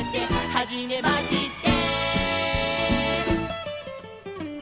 「はじめまして」